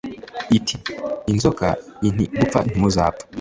It inzoka iti gupfa ntimuzapfa